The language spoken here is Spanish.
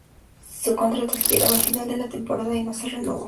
Su contrato expiraba al final de la temporada y no se renovó.